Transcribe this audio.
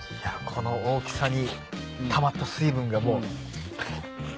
この大きさにたまった水分がもう。